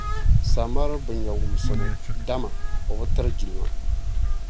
Samaru bi nya wumsibu, dama o bi tiri jilima